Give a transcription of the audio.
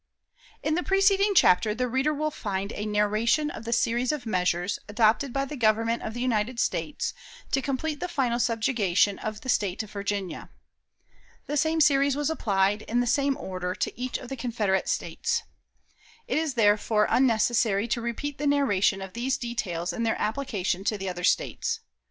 In the preceding chapter the reader will find a narration of the series of measures, adopted by the Government of the United States, to complete the final subjugation of the State of Virginia. The same series was applied, in the same order, to each of the Confederate States. It is, therefore, unnecessary to repeat the narration of these details in their application to the other States.